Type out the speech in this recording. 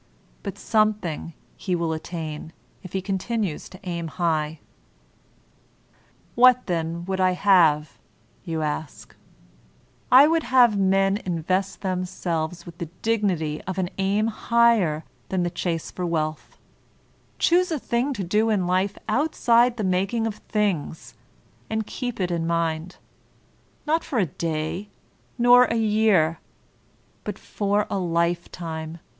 But something he will at tain, if he continues to aim high. What, then, would I have ? you ask. I would have men invest themselves with the dignity of an aim higher than the chase for wealth ; choose a thing to do in life outside of the making of things, and keep it in mind, — ^not for a day, nor a year, but for a lifetime.